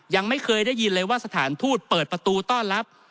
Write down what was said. ยังไม่เคยได้ยินเลยว่าสถานทูตเปิดประตูต้อนรับ